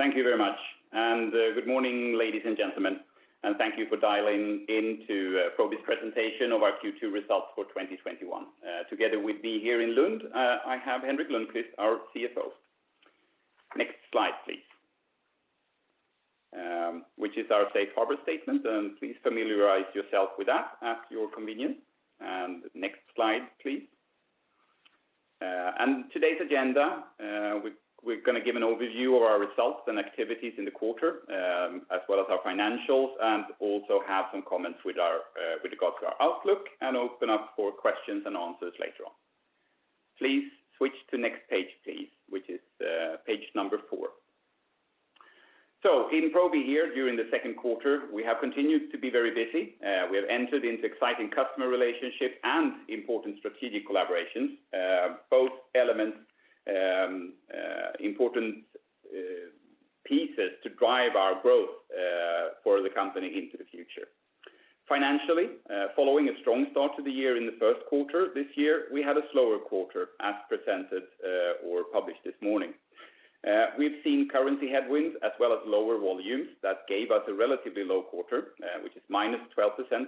Thank you very much. Good morning, ladies and gentlemen, and thank you for dialing in to Probi's presentation of our Q2 results for 2021. Together with me here in Lund, I have Henrik Lundkvist, our CFO. Next slide, please, which is our safe harbor statement, and please familiarize yourself with that at your convenience. Next slide, please. Today's agenda, we're going to give an overview of our results and activities in the quarter, as well as our financials, and also have some comments with regards to our outlook, and open up for questions and answers later on. Please switch to next page, please, which is page number four. In Probi here during the second quarter, we have continued to be very busy. We have entered into exciting customer relationships and important strategic collaborations, both elements important pieces to drive our growth for the company into the future. Financially, following a strong start to the year in the first quarter this year, we had a slower quarter as presented or published this morning. We've seen currency headwinds as well as lower volumes that gave us a relatively low quarter, which is -12%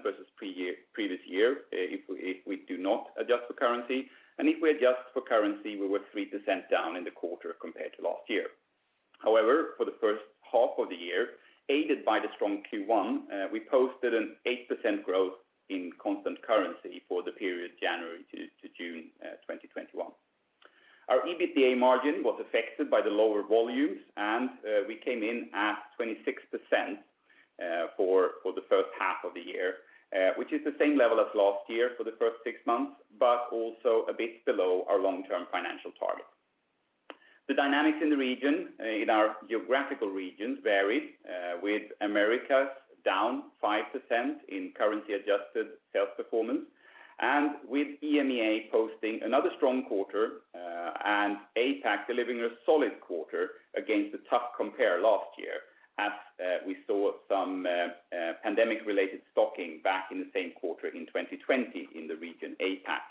versus previous year if we do not adjust for currency, and if we adjust for currency, we were 3% down in the quarter compared to last year. For the first half of the year, aided by the strong Q1, we posted an 8% growth in constant currency for the period January to June 2021. Our EBITDA margin was affected by the lower volumes, and we came in at 26% for the first half of the year, which is the same level as last year for the first six months, but also a bit below our long-term financial target. The dynamics in our geographical regions varied, with Americas down 5% in currency adjusted sales performance, and with EMEA posting another strong quarter, and APAC delivering a solid quarter against a tough compare last year, as we saw some pandemic-related stocking back in the same quarter in 2020 in the region APAC.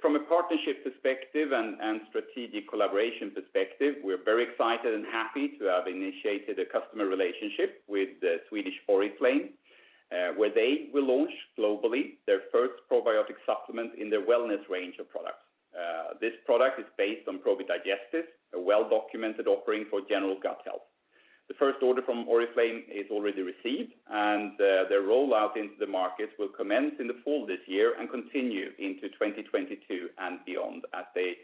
From a partnership perspective and strategic collaboration perspective, we are very excited and happy to have initiated a customer relationship with Swedish Oriflame, where they will launch globally their first probiotic supplement in their wellness range of products. This product is based on Probi Digestis, a well-documented offering for general gut health. The first order from Oriflame is already received, and their rollout into the market will commence in the fall this year and continue into 2022 and beyond as they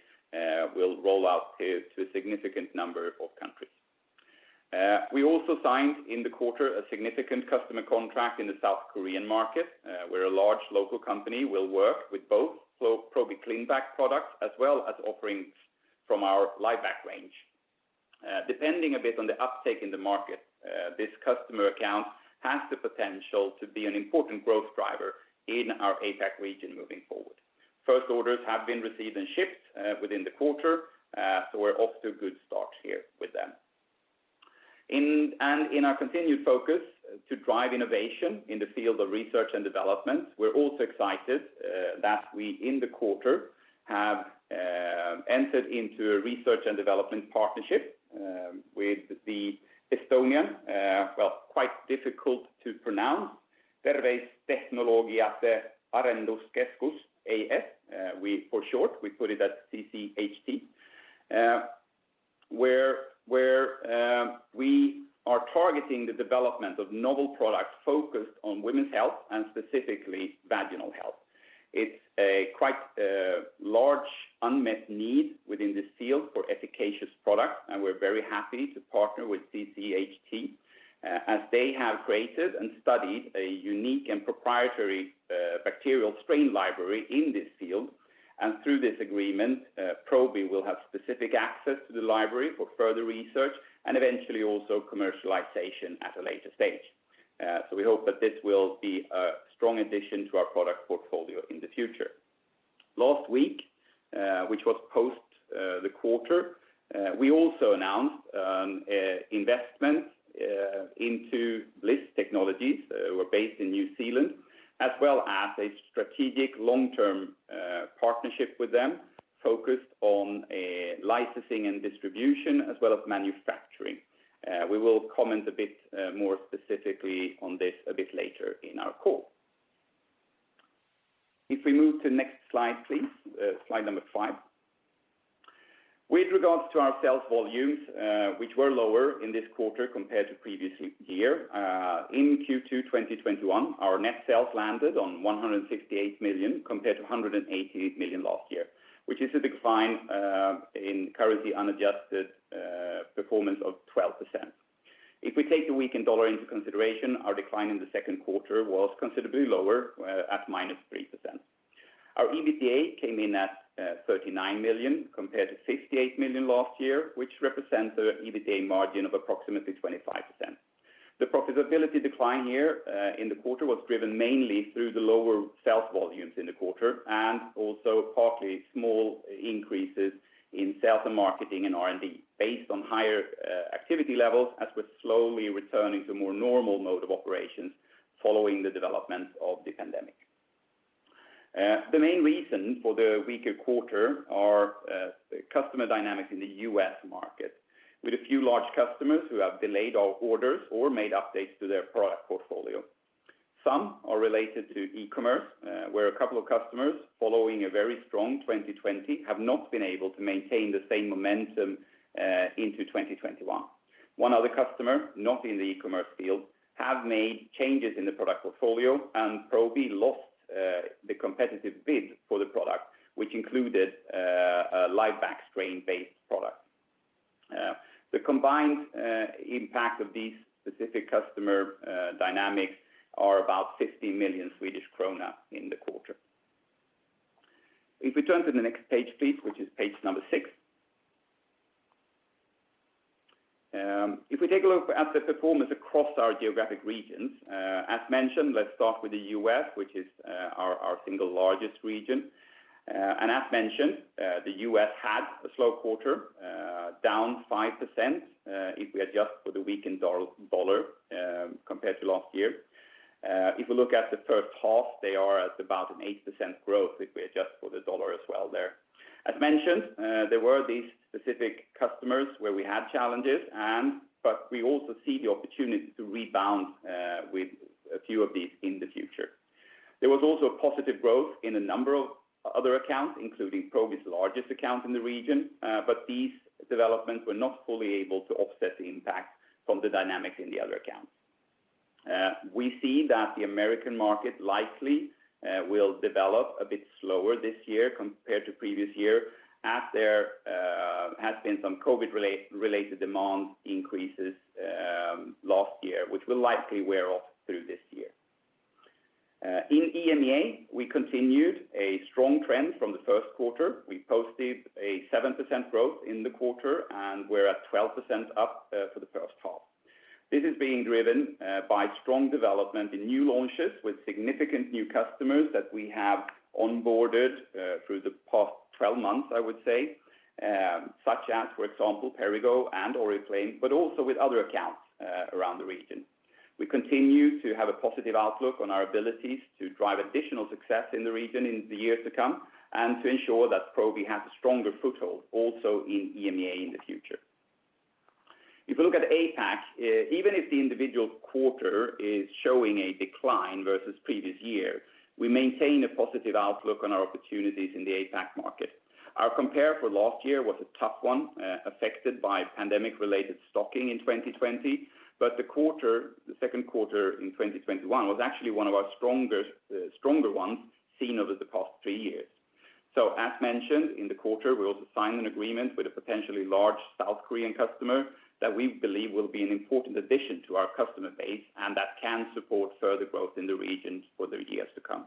will roll out to a significant number of countries. We also signed in the quarter a significant customer contract in the South Korean market, where a large local company will work with both Probi ClinBac products as well as offerings from our LiveBac range. Depending a bit on the uptake in the market, this customer account has the potential to be an important growth driver in our APAC region moving forward. First orders have been received and shipped within the quarter, so we're off to a good start here with them. In our continued focus to drive innovation in the field of research and development, we're also excited that we in the quarter have entered into a research and development partnership with the Estonian, well, quite difficult to pronounce, Tervisetehnoloogiate Arenduskeskus AS. For short, we put it as CCHT, where we are targeting the development of novel products focused on women's health and specifically vaginal health. It's a quite large unmet need within this field for efficacious product. We're very happy to partner with CCHT, as they have created and studied a unique and proprietary bacterial strain library in this field. Through this agreement, Probi will have specific access to the library for further research and eventually also commercialization at a later stage. We hope that this will be a strong addition to our product portfolio in the future. Last week, which was post the quarter, we also announced investment into Blis Technologies, who are based in New Zealand, as well as a strategic long-term partnership with them focused on licensing and distribution as well as manufacturing. We will comment a bit more specifically on this a bit later in our call. If we move to next slide, please, slide number five. With regards to our sales volumes, which were lower in this quarter compared to previous year, in Q2 2021, our net sales landed on 158 million compared to 188 million last year, which is a decline in currency unadjusted performance of 12%. If we take the weakened dollar into consideration, our decline in the second quarter was considerably lower at minus 3%. Our EBITDA came in at 39 million compared to 68 million last year, which represents an EBITDA margin of approximately 25%. The profitability decline here in the quarter was driven mainly through the lower sales volumes in the quarter, and also partly small increases in sales and marketing and R&D based on higher activity levels as we're slowly returning to more normal mode of operations following the development of the pandemic. The main reason for the weaker quarter are customer dynamics in the US market, with a few large customers who have delayed our orders or made updates to their product portfolio. Some are related to e-commerce, where a couple of customers, following a very strong 2020, have not been able to maintain the same momentum into 2021. One other customer, not in the e-commerce field, have made changes in the product portfolio, and Probi lost the competitive bid for the product, which included a LiveBac strain-based product. The combined impact of these specific customer dynamics are about 50 million Swedish krona in the quarter. If we turn to the next page, please, which is page number six. If we take a look at the performance across our geographic regions, as mentioned, let's start with the U.S., which is our single largest region. As mentioned, the U.S. had a slow quarter, down 5% if we adjust for the weakened dollar compared to last year. If we look at the first half, they are at about an 8% growth if we adjust for the dollar as well there. As mentioned, there were these specific customers where we had challenges, but we also see the opportunity to rebound with a few of these in the future. There was also a positive growth in a number of other accounts, including Probi's largest account in the region. These developments were not fully able to offset the impact from the dynamics in the other accounts. We see that the American market likely will develop a bit slower this year compared to previous year, as there has been some COVID-related demand increases last year, which will likely wear off through this year. In EMEA, we continued a strong trend from the first quarter. We posted a 7% growth in the quarter, and we're at 12% up for the first half. This is being driven by strong development in new launches with significant new customers that we have onboarded through the past 12 months, I would say, such as, for example, Perrigo and Oriflame, but also with other accounts around the region. We continue to have a positive outlook on our abilities to drive additional success in the region in the years to come and to ensure that Probi has a stronger foothold also in EMEA in the future. You look at APAC, even if the individual quarter is showing a decline versus previous year, we maintain a positive outlook on our opportunities in the APAC market. Our compare for last year was a tough one, affected by pandemic-related stocking in 2020. The second quarter in 2021 was actually one of our stronger ones seen over the past three years. As mentioned in the quarter, we also signed an agreement with a potentially large South Korean customer that we believe will be an important addition to our customer base and that can support further growth in the region for the years to come.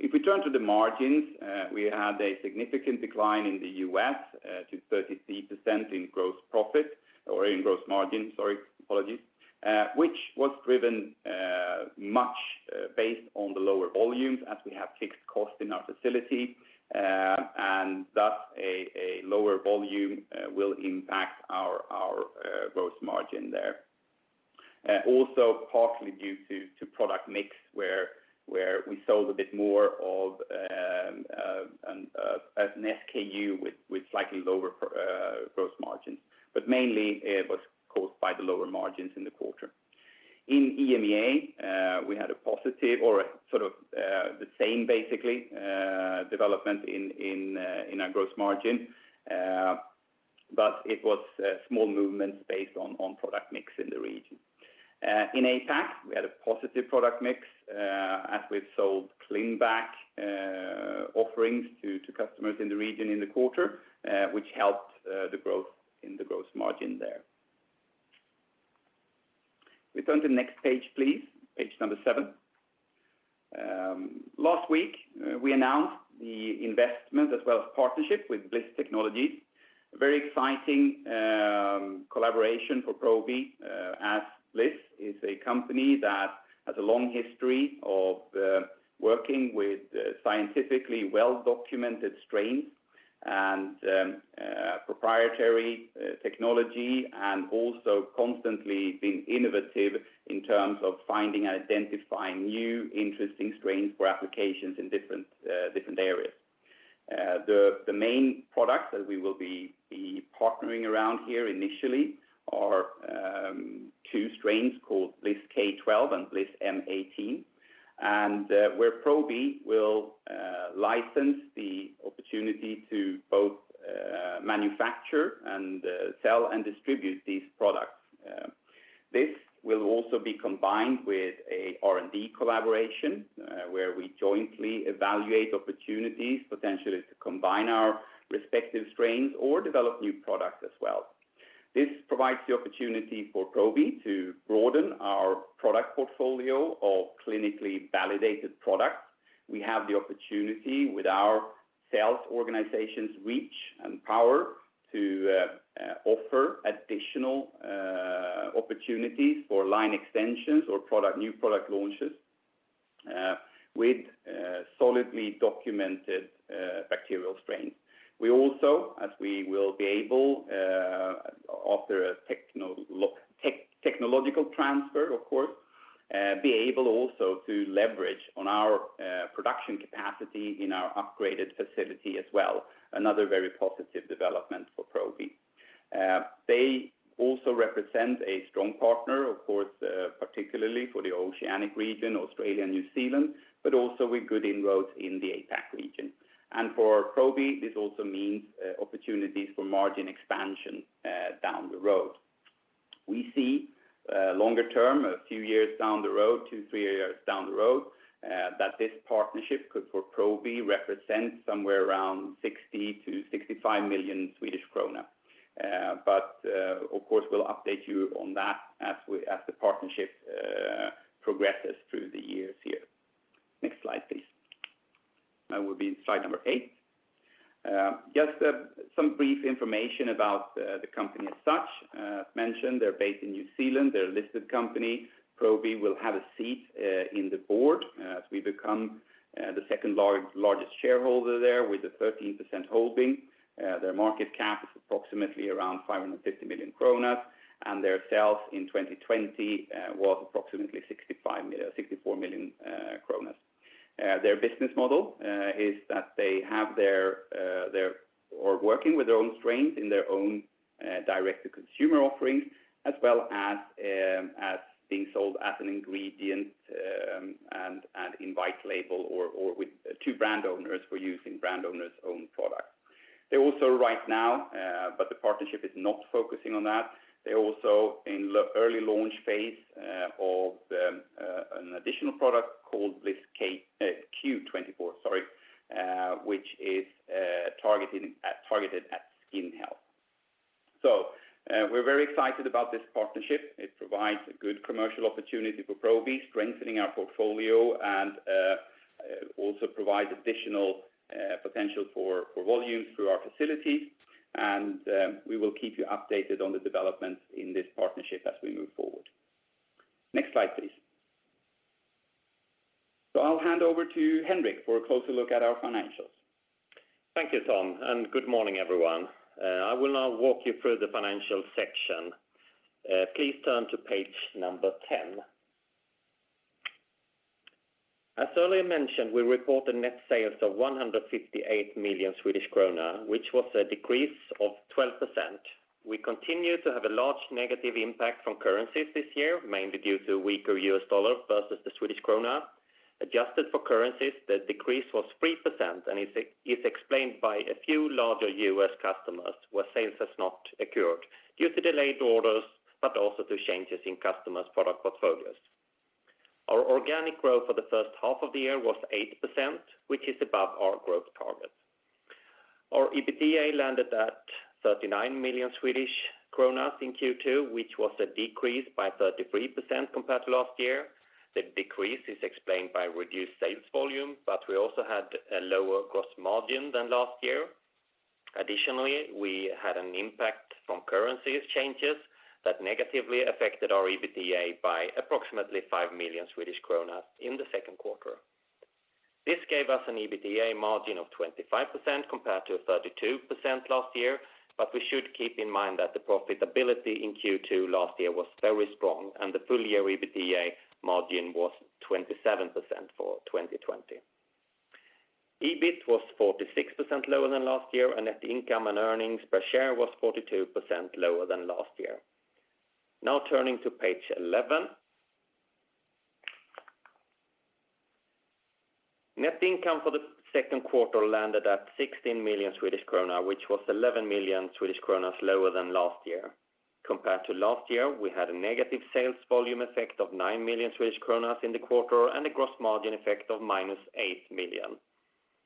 We turn to the margins, we had a significant decline in the U.S. to 33% in gross margin, which was driven much based on the lower volumes as we have fixed cost in our facility, thus a lower volume will impact our gross margin there. Also partially due to product mix, where we sold a bit more of an SKU with slightly lower gross margins, mainly it was caused by the lower margins in the quarter. In EMEA, we had a positive or the same, basically, development in our gross margin, it was small movements based on product mix in the region. In APAC, we had a positive product mix, as we've sold ClinBac offerings to customers in the region in the quarter, which helped the growth in the gross margin there. We turn to the next page, please. Page number seven. Last week, we announced the investment as well as partnership with Blis Technologies. A very exciting collaboration for Probi, as Blis is a company that has a long history of working with scientifically well-documented strains and proprietary technology, and also constantly being innovative in terms of finding and identifying new, interesting strains for applications in different areas. The main products that we will be partnering around here initially are two strains called BLIS K12 and BLIS M18, and where Probi will license the opportunity to both manufacture and sell and distribute these products. This will also be combined with a R&D collaboration where we jointly evaluate opportunities potentially to combine our respective strains or develop new products as well. This provides the opportunity for Probi to broaden our product portfolio of clinically validated products. We have the opportunity with our sales organization's reach and power to offer additional opportunities for line extensions or new product launches with solidly documented bacterial strains. We also, as we will be able after a technological transfer, of course, be able also to leverage on our production capacity in our upgraded facility as well. Another very positive development for Probi. They also represent a strong partner, of course, particularly for the Oceanic region, Australia and New Zealand, but also with good inroads in the APAC region. For Probi, this also means opportunities for margin expansion down the road. We see longer term, two, three years down the road, that this partnership could, for Probi, represent somewhere around 60 million-65 million Swedish krona. Of course, we'll update you on that as the partnership progresses through the years here. Next slide, please. That will be slide number eight. Just some brief information about the company as such. Mentioned they're based in New Zealand. They're a listed company. Probi will have a seat in the board as we become the second-largest shareholder there with a 13% holding. Their market cap is approximately 550 million kronor, and their sales in 2020 was approximately 64 million kronor. Their business model is that Or working with their own strains in their own direct-to-consumer offerings, as well as being sold as an ingredient, and in private label or to brand owners for use in brand owners' own product. They're also right now, but the partnership is not focusing on that. They're also in early launch phase of an additional product called Q24, which is targeted at skin health. We're very excited about this partnership. It provides a good commercial opportunity for Probi, strengthening our portfolio and also provides additional potential for volume through our facilities. We will keep you updated on the developments in this partnership as we move forward. Next slide, please. I'll hand over to Henrik for a closer look at our financials. Thank you, Tom. Good morning, everyone. I will now walk you through the financial section. Please turn to page number 10. As earlier mentioned, we reported net sales of 158 million Swedish kronor, which was a decrease of 12%. We continue to have a large negative impact from currencies this year, mainly due to weaker US dollar versus the Swedish krona. Adjusted for currencies, the decrease was 3% and is explained by a few larger US customers where sales has not occurred due to delayed orders, but also to changes in customers' product portfolios. Our organic growth for the first half of the year was 8%, which is above our growth target. Our EBITDA landed at 39 million Swedish kronor in Q2, which was a decrease by 33% compared to last year. The decrease is explained by reduced sales volume, but we also had a lower gross margin than last year. Additionally, we had an impact from currencies changes that negatively affected our EBITDA by approximately 5 million Swedish kronor in the second quarter. This gave us an EBITDA margin of 25% compared to 32% last year, but we should keep in mind that the profitability in Q2 last year was very strong and the full year EBITDA margin was 27% for 2020. EBIT was 46% lower than last year, and net income and earnings per share was 42% lower than last year. Now turning to page 11. Net income for the second quarter landed at 16 million Swedish krona, which was 11 million Swedish kronor lower than last year. Compared to last year, we had a negative sales volume effect of 9 million Swedish kronor in the quarter and a gross margin effect of minus 8 million.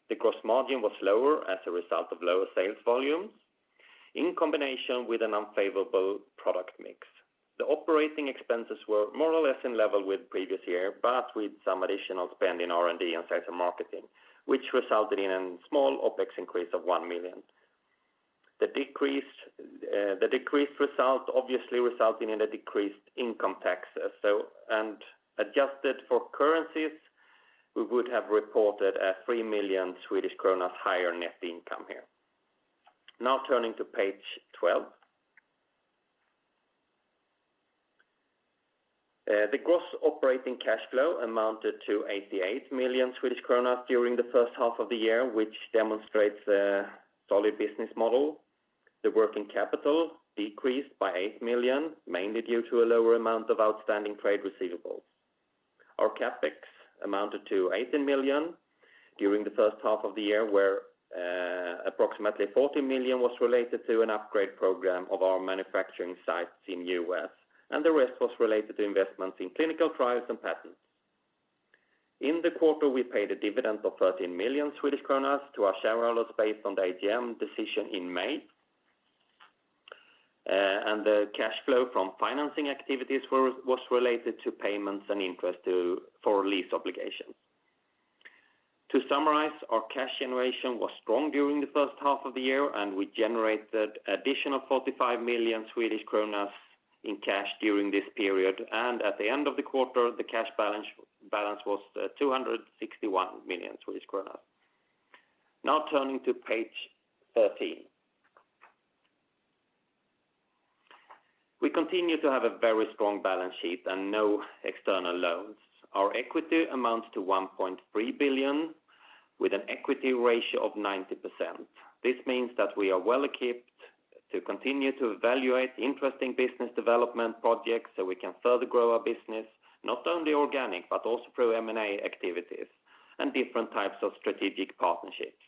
The gross margin was lower as a result of lower sales volumes in combination with an unfavorable product mix. The operating expenses were more or less in level with previous year, but with some additional spend in R&D and sales and marketing, which resulted in a small OPEX increase of 1 million. The decreased result obviously resulting in a decreased income tax. Adjusted for currencies, we would have reported a 3 million Swedish kronor higher net income here. Now turning to page 12. The gross operating cash flow amounted to 88 million Swedish kronor during the first half of the year, which demonstrates a solid business model. The working capital decreased by 8 million, mainly due to a lower amount of outstanding trade receivables. Our CapEx amounted to 18 million during the first half of the year, where approximately 40 million was related to an upgrade program of our manufacturing sites in the U.S., and the rest was related to investments in clinical trials and patents. In the quarter, we paid a dividend of 13 million Swedish kronor to our shareholders based on the AGM decision in May. The cash flow from financing activities was related to payments and interest for lease obligations. To summarize, our cash generation was strong during the first half of the year, and we generated additional 45 million Swedish kronor in cash during this period. At the end of the quarter, the cash balance was 261 million Swedish kronor. Now turning to page 13. We continue to have a very strong balance sheet and no external loans. Our equity amounts to 1.3 billion, with an equity ratio of 90%. This means that we are well equipped to continue to evaluate interesting business development projects so we can further grow our business, not only organic, but also through M&A activities and different types of strategic partnerships.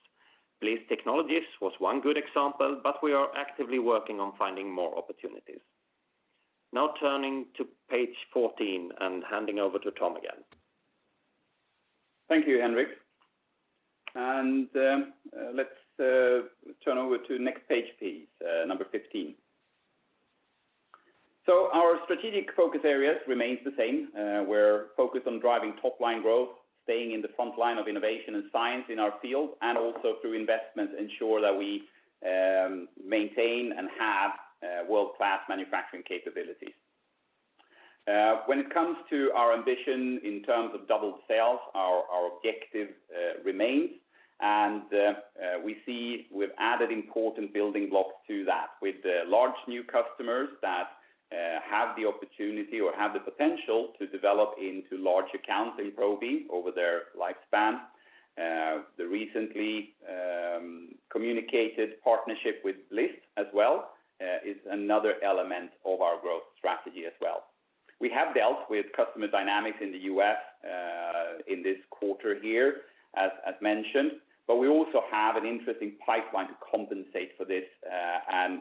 Blis Technologies was one good example, but we are actively working on finding more opportunities. Now turning to page 14 and handing over to Tom again. Thank you, Henrik. Let's turn over to next page, please, number 15. Our strategic focus areas remains the same. We're focused on driving top-line growth, staying in the front line of innovation and science in our field. Also through investments, ensure that we maintain and have world-class manufacturing capabilities. When it comes to our ambition in terms of doubled sales, our objective remains, and we see we've added important building blocks to that with large new customers that have the opportunity or have the potential to develop into large accounts in Probi over their lifespan. The recently communicated partnership with Blis as well is another element of our growth strategy as well. We have dealt with customer dynamics in the U.S. in this quarter here, as mentioned. We also have an interesting pipeline to compensate for this, and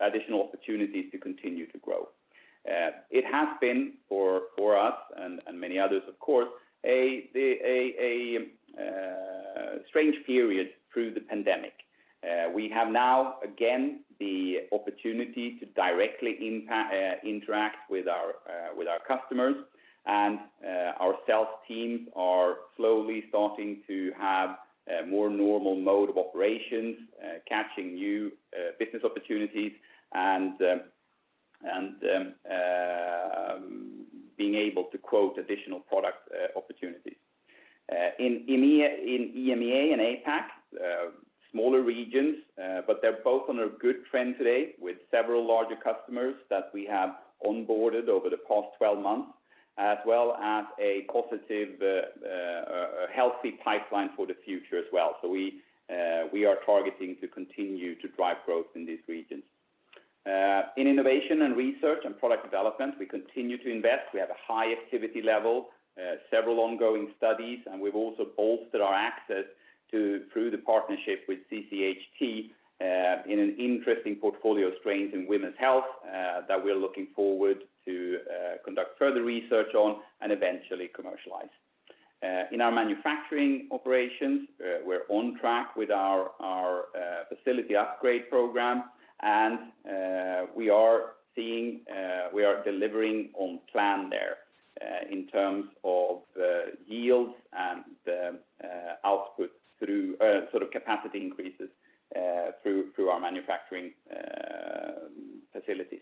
additional opportunities to continue to grow. It has been, for us and many others, of course, a strange period through the pandemic. We have now, again, the opportunity to directly interact with our customers. Our sales teams are slowly starting to have a more normal mode of operations, catching new business opportunities and being able to quote additional product opportunities. In EMEA and APAC, smaller regions, but they are both on a good trend today with several larger customers that we have onboarded over the past 12 months, as well as a positive, healthy pipeline for the future as well. We are targeting to continue to drive growth in these regions. In innovation and research and product development, we continue to invest. We have a high activity level, several ongoing studies, and we've also bolstered our access through the partnership with CCHT, in an interesting portfolio of strengths in women's health that we're looking forward to conduct further research on and eventually commercialize. In our manufacturing operations, we're on track with our facility upgrade program, and we are delivering on plan there, in terms of yields and the outputs through capacity increases through our manufacturing facilities.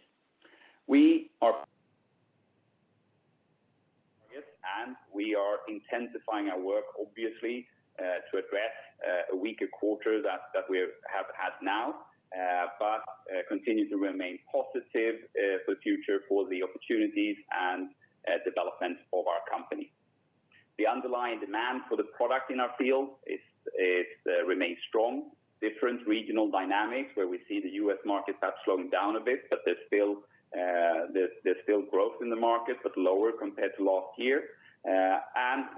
We are intensifying our work, obviously, to address a weaker quarter that we have had now. Continue to remain positive for future for the opportunities and development of our company. The underlying demand for the product in our field remains strong. Different regional dynamics, where we see the US market has slowed down a bit, but there's still growth in the market, but lower compared to last year.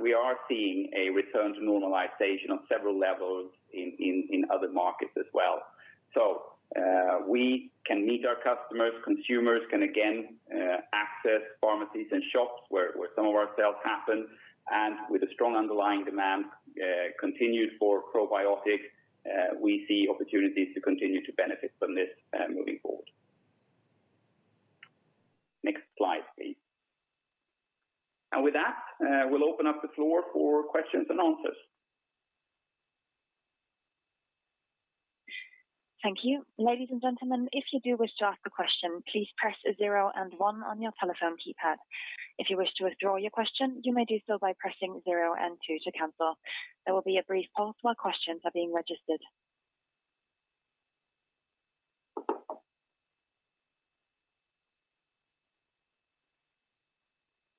We are seeing a return to normalization on several levels in other markets as well. We can meet our customers, consumers can again access pharmacies and shops where some of our sales happen. With a strong underlying demand continued for probiotic, we see opportunities to continue to benefit from this moving forward. Next slide, please. With that, we will open up the floor for questions and answers. Thank you. Ladies and gentlemen, if you do wish to ask a question, please press zero and one on your telephone keypad. If you wish to withdraw your question, you may do so by pressing zero and two to cancel. There will be a brief pause while questions are being registered.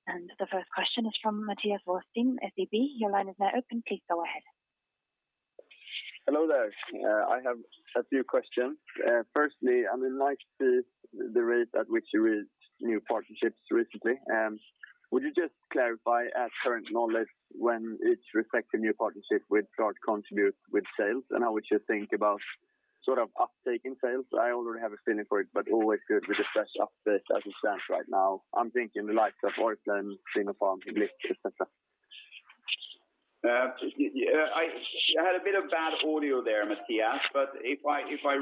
The first question is from Matthias Vadsten in SEB. Your line is now open. Please go ahead. Hello there. I have a few questions. Firstly, I would like to the rate at which you reached new partnerships recently. Would you just clarify as current knowledge when each respective new partnership will start contribute with sales, and how would you think about sort of uptake in sales? I already have a feeling for it, but always good with a fresh update as it stands right now. I'm thinking the likes of Oriflame, Sinopharm, Blis, et cetera. I had a bit of bad audio there, Matthias. If I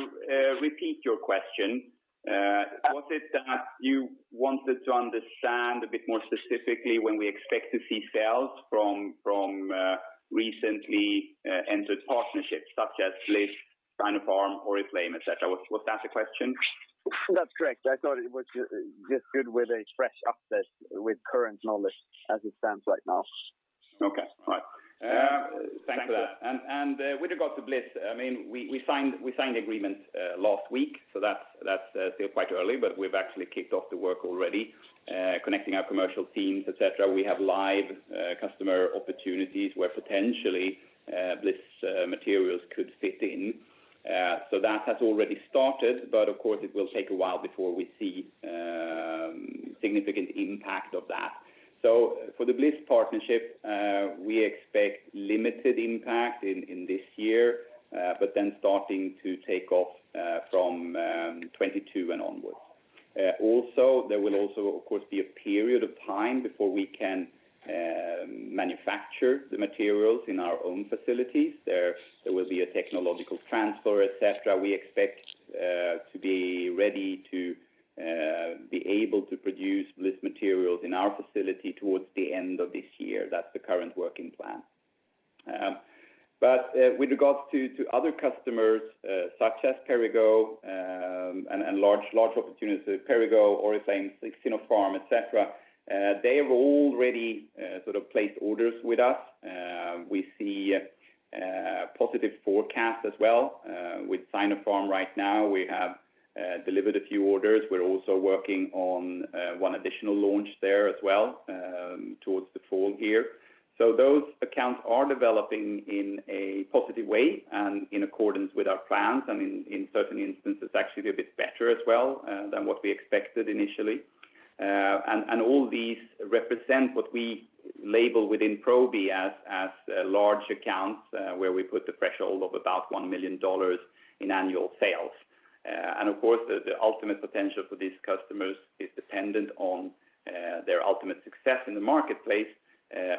repeat your question, was it that you wanted to understand a bit more specifically when we expect to see sales from recently entered partnerships such as Blis, Sinopharm, Oriflame, et cetera? Was that the question? That's correct. I thought it was just good with a fresh update with current knowledge as it stands right now. Okay. All right. Thanks for that. With regards to Blis, we signed the agreement last week, so that's still quite early, but we've actually kicked off the work already, connecting our commercial teams, et cetera. We have live customer opportunities where potentially Blis materials could fit in. That has already started, but of course, it will take a while before we see significant impact of that. For the Blis partnership, we expect limited impact in this year, but then starting to take off from 2022 and onwards. There will also, of course, be a period of time before we can manufacture the materials in our own facilities. There will be a technological transfer, et cetera. We expect to be ready to be able to produce Blis materials in our facility towards the end of this year. That's the current working plan. With regards to other customers such as Perrigo, and large opportunities with Perrigo, Oriflame, Sinopharm, et cetera, they have already placed orders with us. We see a positive forecast as well with Sinopharm right now. We have delivered a few orders. We are also working on one additional launch there as well towards the fall here. Those accounts are developing in a positive way and in accordance with our plans, and in certain instances, actually a bit better as well than what we expected initially. All these represent what we label within Probi as large accounts, where we put the threshold of about $1 million in annual sales. Of course, the ultimate potential for these customers is dependent on their ultimate success in the marketplace,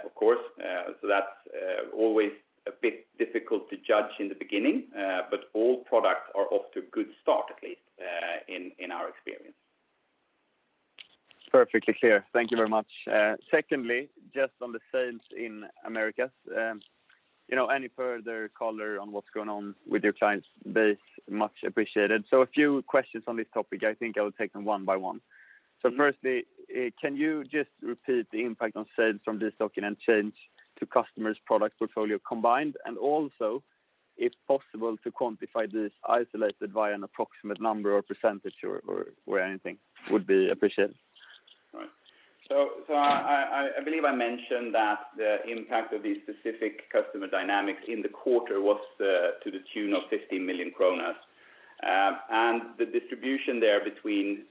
of course. That's always a bit difficult to judge in the beginning, but all products are off to a good start, at least, in our experience. Perfectly clear. Thank you very much. Secondly, just on the sales in Americas, any further color on what's going on with your clients base, much appreciated. A few questions on this topic. I think I will take them one by one. Firstly, can you just repeat the impact on sales from destocking and change to customers' product portfolio combined, and also if possible to quantify this isolated by an approximate number or percentage or anything would be appreciated. Right. I believe I mentioned that the impact of these specific customer dynamics in the quarter was to the tune of 15 million kronor. The distribution there between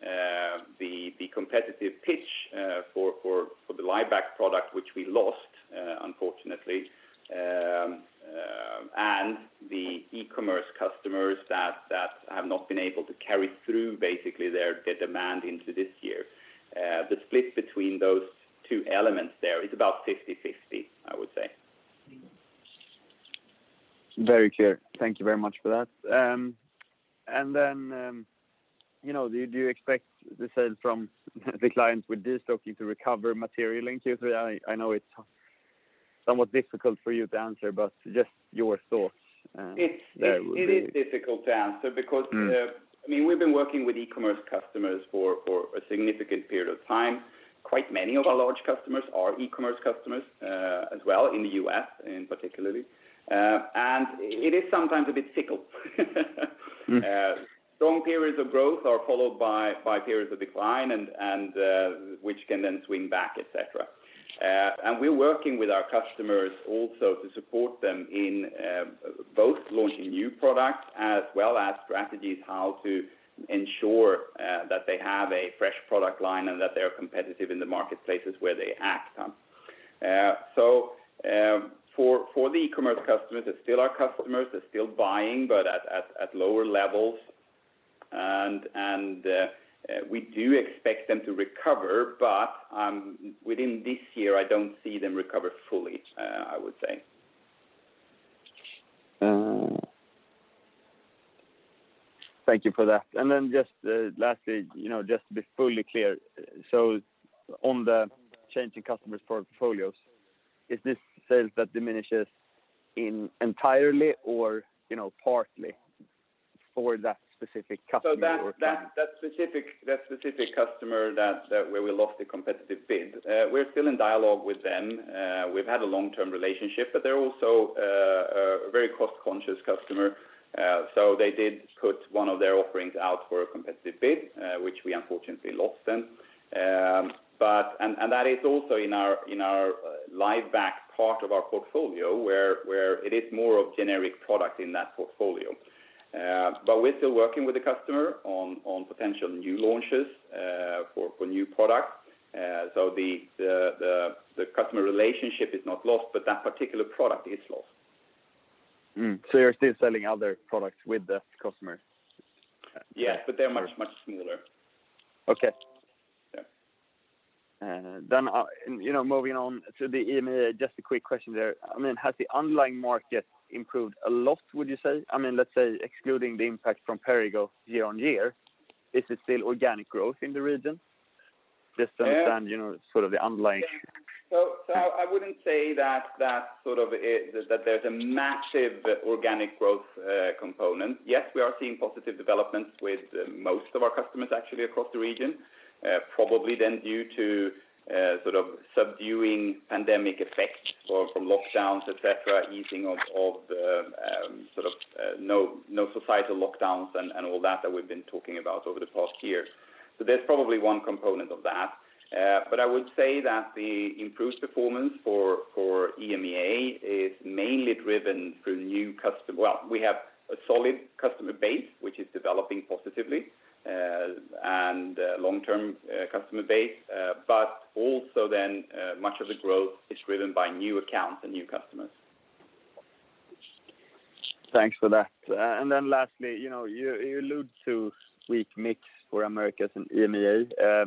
the competitive pitch for the LiveBac product, which we lost, unfortunately, and the e-commerce customers that have not been able to carry through basically their demand into this year. The split between those two elements there is about 50/50, I would say. Very clear. Thank you very much for that. Do you expect the sale from the clients with destocking to recover materially in Q3? I know it's somewhat difficult for you to answer. It is difficult to answer because we've been working with e-commerce customers for a significant period of time. Quite many of our large customers are e-commerce customers as well in the U.S. particularly. It is sometimes a bit cyclical. Strong periods of growth are followed by five years of decline, and which can then swing back, et cetera. We're working with our customers also to support them in both launching new products as well as strategies how to ensure that they have a fresh product line and that they are competitive in the marketplaces where they act. For the e-commerce customers, they're still our customers, they're still buying, but at lower levels. We do expect them to recover, but within this year, I don't see them recover fully, I would say. Thank you for that. Just lastly, just to be fully clear. On the change in customers' portfolios, is this sales that diminishes entirely or partly for that specific customer or plan? Specific customer that where we lost the competitive bid, we're still in dialogue with them. We've had a long-term relationship, they're also a very cost-conscious customer. They did put one of their offerings out for a competitive bid, which we unfortunately lost then. That is also in our LiveBac part of our portfolio, where it is more of generic product in that portfolio. We're still working with the customer on potential new launches for new products. The customer relationship is not lost, but that particular product is lost. You're still selling other products with that customer? Yeah, they're much smaller. Okay. Yeah. Moving on to the EMEA, just a quick question there. Has the online market improved a lot, would you say? Let's say excluding the impact from Perrigo year-on-year, is it still organic growth in the region? I wouldn't say that there's a massive organic growth component. Yes, we are seeing positive developments with most of our customers actually across the region. due to subduing pandemic effects from lockdowns, et cetera, easing of the societal lockdowns and all that that we've been talking about over the past year. there's probably one component of that. I would say that the improved performance for EMEA is mainly driven through Well, we have a solid customer base, which is developing positively, and a long-term customer base. Also, much of the growth is driven by new accounts and new customers. Thanks for that. Lastly, you allude to weak mix for Americas and EMEA.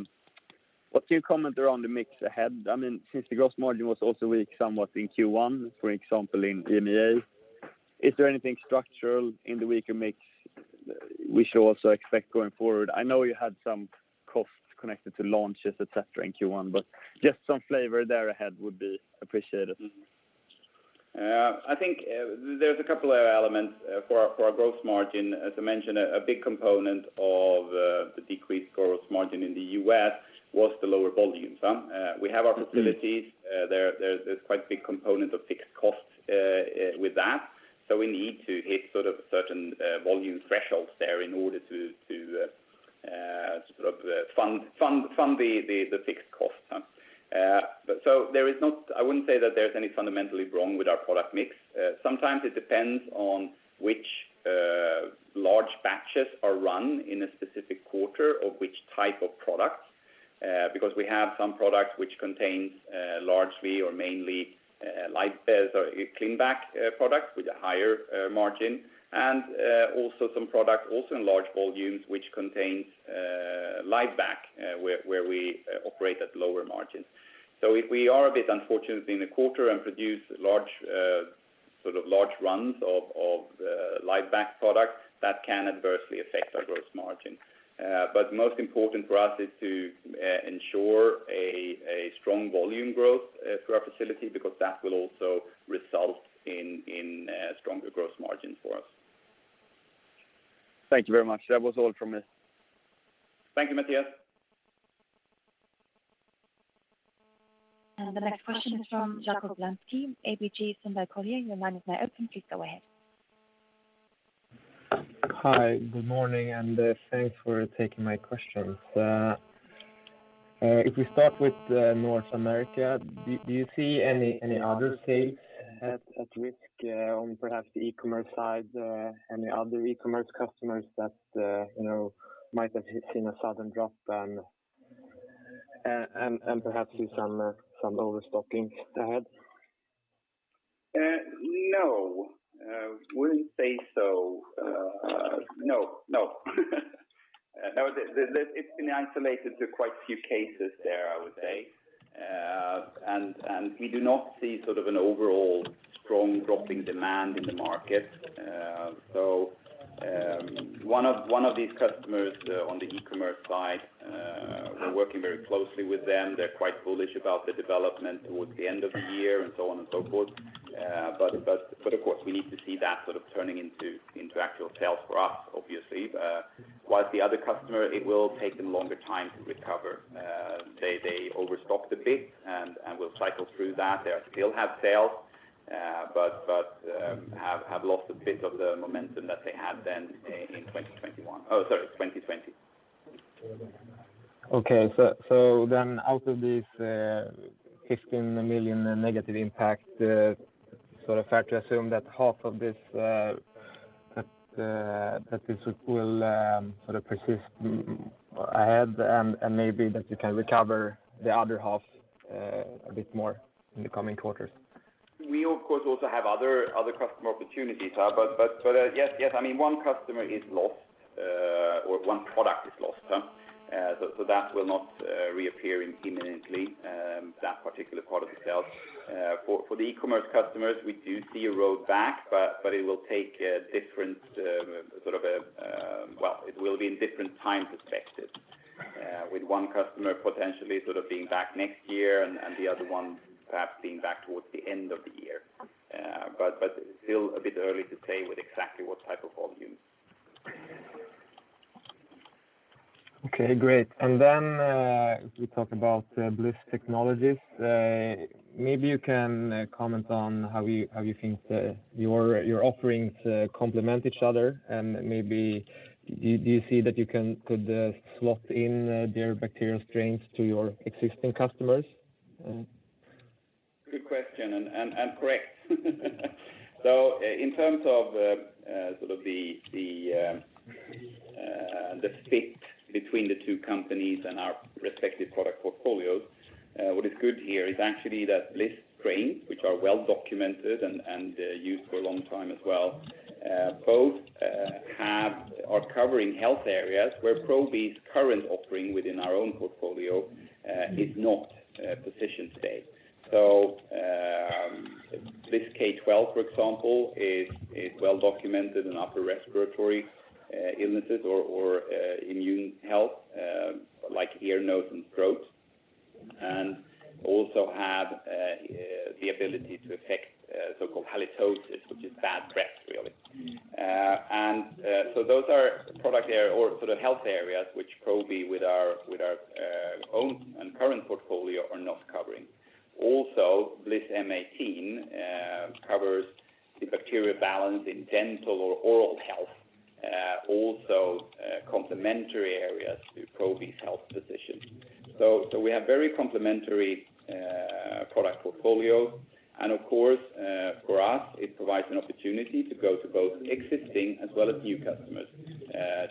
What's your comment around the mix ahead? Since the gross margin was also weak somewhat in Q1, for example, in EMEA, is there anything structural in the weaker mix we should also expect going forward? I know you had some costs connected to launches, et cetera, in Q1, just some flavor there ahead would be appreciated. I think there's a couple of elements for our gross margin. As I mentioned, a big component of the decreased gross margin in the U.S. was the lower volume. We have our facilities. There's quite a big component of fixed costs with that. We need to hit certain volume thresholds there in order to fund the fixed costs. I wouldn't say that there's any fundamentally wrong with our product mix. Sometimes it depends on which large batches are run in a specific quarter of which type of product, because we have some products which contains largely or mainly ClinBac products with a higher margin, and also some product also in large volumes, which contains LiveBac, where we operate at lower margins. If we are a bit unfortunate in the quarter and produce large runs of LiveBac product, that can adversely affect our gross margin. Most important for us is to ensure a strong volume growth through our facility, because that will also result in stronger gross margin for us. Thank you very much. That was all from me. Thank you, Matthias. The next question is from Jacob Lansky, ABG Sundal Collier. Your line is now open. Please go ahead. Hi. Good morning. Thanks for taking my questions. If we start with North America, do you see any other sales at risk on perhaps the e-commerce side? Any other e-commerce customers that might have seen a sudden drop and perhaps see some overstocking ahead? No. I wouldn't say so. No. It's been isolated to quite a few cases there, I would say. We do not see an overall strong dropping demand in the market. One of these customers on the e-commerce side, we're working very closely with them. They're quite bullish about the development towards the end of the year and so on and so forth. Of course, we need to see that turning into actual sales for us, obviously. The other customer, it will take them a longer time to recover. They overstocked a bit, and we'll cycle through that. They still have sales, but have lost a bit of the momentum that they had then in 2020. Okay. Out of these 15 million negative impact, fair to assume that half of this will persist ahead and maybe that you can recover the other half a bit more in the coming quarters? We of course also have other customer opportunities. Yes, one customer is lost or one product is lost. That will not reappear imminently, that particular product itself. For the e-commerce customers, we do see a road back, but it will be in different time perspectives, with one customer potentially being back next year and the other one perhaps being back towards the end of the year. Still a bit early to say with exactly what type of volumes. Okay, great. If we talk about Blis Technologies, maybe you can comment on how you think your offerings complement each other. Maybe do you see that you could slot in their bacterial strains to your existing customers? Good question, and correct. In terms of the fit between the two companies and our respective product portfolios, what is good here is actually that BLIS strains, which are well documented and used for a long time as well, both are covering health areas where Probi's current offering within our own portfolio is not positioned today. BLIS K12, for example, is well-documented in upper respiratory illnesses or immune health, like ear, nose and throat, and also have the ability to affect so-called halitosis, which is bad breath, really. Those are health areas which Probi, with our own and current portfolio, are not covering. BLIS M18 covers the bacteria balance in dental or oral health. Complementary areas to Probi's health position. We have very complementary product portfolio, and of course, for us, it provides an opportunity to go to both existing as well as new customers,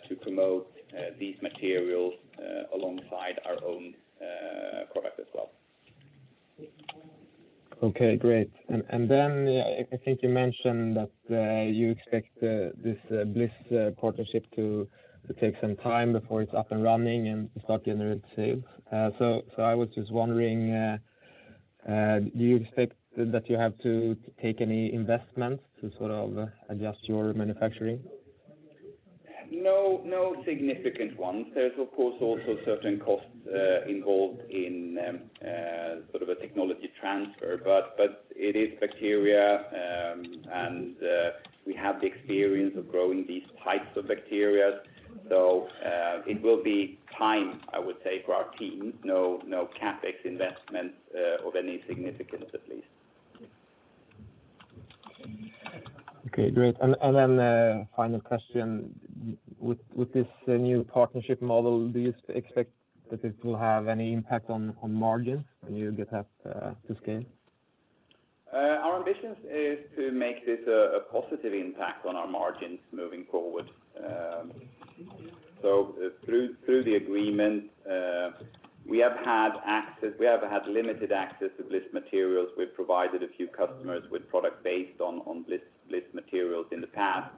to promote these materials alongside our own product as well. Okay, great. I think you mentioned that you expect this Blis partnership to take some time before it's up and running and to start generating sales. I was just wondering, do you expect that you have to take any investments to sort of adjust your manufacturing? No significant ones. There's, of course, also certain costs involved in sort of a technology transfer. It is bacteria, and we have the experience of growing these types of bacteria. It will be time, I would say, for our team. No CapEx investments of any significance, at least. Okay, great. Final question. With this new partnership model, do you expect that it will have any impact on margins when you get that to scale? Our ambitions is to make this a positive impact on our margins moving forward. Through the agreement, we have had limited access to Blis materials. We've provided a few customers with product based on Blis materials in the past.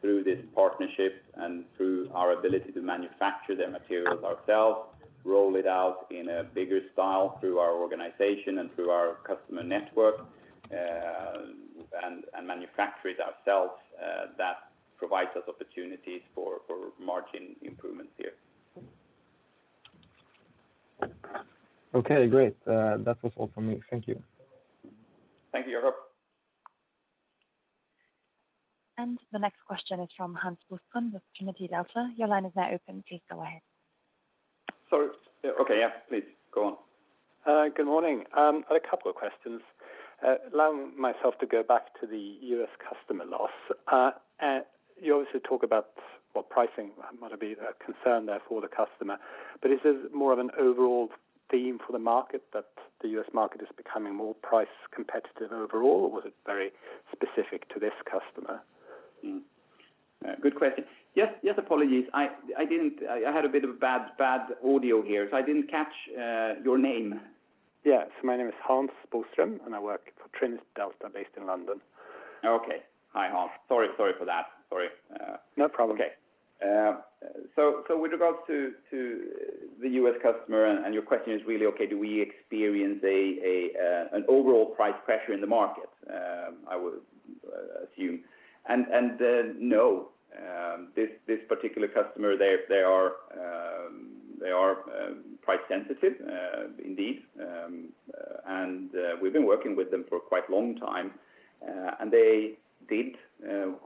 Through this partnership and through our ability to manufacture their materials ourselves, roll it out in a bigger style through our organization and through our customer network, and manufacture it ourselves, that provides us opportunities for margin improvements here. Okay, great. That was all from me. Thank you. Thank you. The next question is from Hans Boström with Trinity Delta. Your line is now open. Please go ahead. Sorry. Okay, yeah. Please, go on. Good morning. I have a couple of questions. Allowing myself to go back to the US customer loss. You also talk about, well, pricing might be a concern there for the customer, is this more of an overall theme for the market, that the US market is becoming more price competitive overall, or was it very specific to this customer? Good question. Yes. Apologies. I had a bit of a bad audio here, so I didn't catch your name. Yes. My name is Hans Boström, and I work for Trinity Delta, based in London. Okay. Hi, Hans. Sorry for that. Sorry. No problem. With regards to the US customer, your question is really, do we experience an overall price pressure in the market, I would assume. No, this particular customer, they are price sensitive indeed. We've been working with them for quite long time, and they did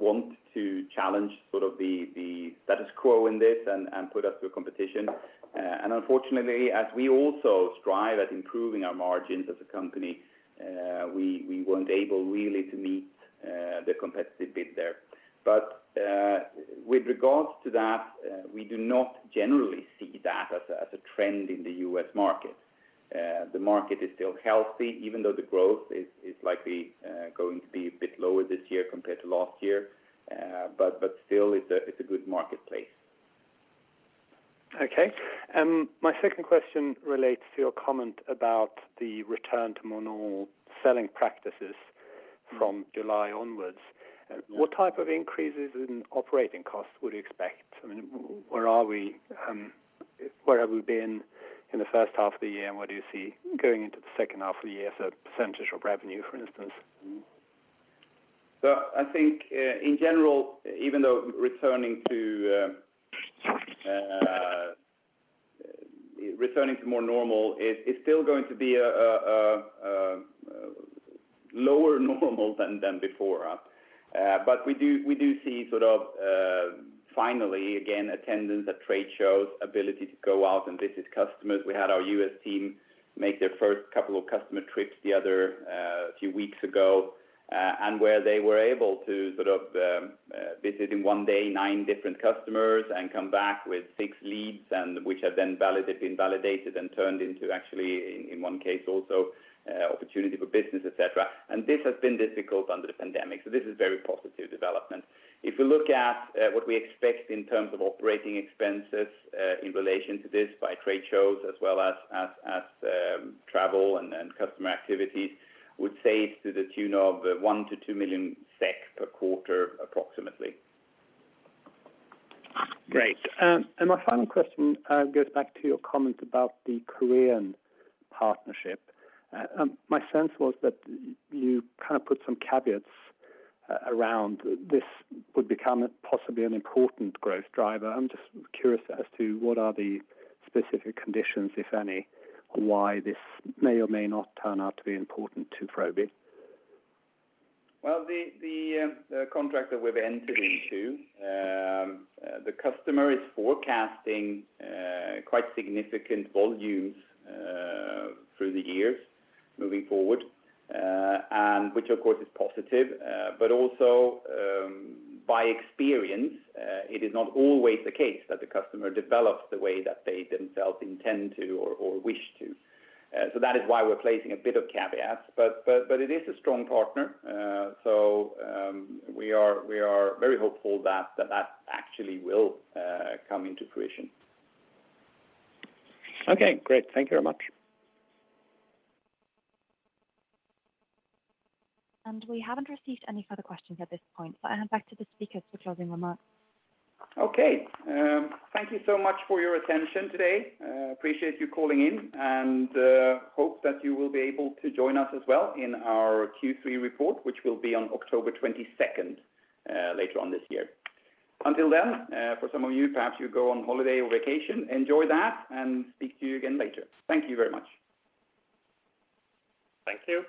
want to challenge sort of the status quo in this and put us through competition. Unfortunately, as we also strive at improving our margins as a company, we weren't able really to meet the competitive bid there. With regards to that, we do not generally see that as a trend in the US market. The market is still healthy, even though the growth is likely going to be a bit lower this year compared to last year. Still, it's a good marketplace. My second question relates to your comment about the return to normal selling practices from July onwards. What type of increases in operating costs would you expect? Where have we been in the first half of the year, and what do you see going into the second half of the year as a percentage of revenue, for instance? I think in general, even though returning to more normal, it's still going to be a lower normal than before. We do see finally, again, attendance at trade shows, ability to go out and visit customers. We had our US team make their first couple of customer trips a few weeks ago, and where they were able to visit in one day nine different customers and come back with six leads, which have then been validated and turned into actually, in one case also, opportunity for business, et cetera. This has been difficult under the pandemic, so this is very positive development. If we look at what we expect in terms of OpEx in relation to this by trade shows as well as travel and customer activities, would say it's to the tune of 1 million-2 million SEK per quarter approximately. Great. My final question goes back to your comment about the Korean partnership. My sense was that you kind of put some caveats around this would become possibly an important growth driver. I'm just curious as to what are the specific conditions, if any, why this may or may not turn out to be important to Probi? Well, the contract that we've entered into, the customer is forecasting quite significant volumes through the years moving forward, which of course is positive. Also, by experience, it is not always the case that the customer develops the way that they themselves intend to or wish to. That is why we're placing a bit of caveats. It is a strong partner, we are very hopeful that that actually will come into fruition. Okay, great. Thank you very much. We haven't received any further questions at this point, so I hand back to the speakers for closing remarks. Okay. Thank you so much for your attention today. Appreciate you calling in and hope that you will be able to join us as well in our Q3 report, which will be on October 22nd later on this year. Until then, for some of you, perhaps you go on holiday or vacation, enjoy that, and speak to you again later. Thank you very much. Thank you.